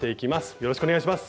よろしくお願いします。